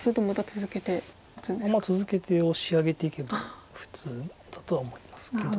続けてオシ上げていけば普通だとは思いますけど。